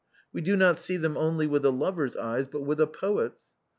We do not see them only with a lover's eyes, but with a poet's.